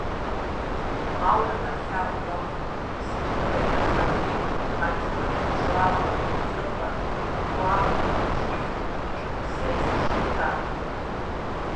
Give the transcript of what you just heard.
Ауэрэ нэрылъагъу мэхъу, сыт хуэдэ лъэхъэнэми адыгэр хъыжьагъэ, лӏыгъэ, хахуагъэ, щӏыхь, хуэчэму зэи зэрыщымытар.